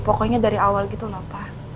pokoknya dari awal gitu lho pak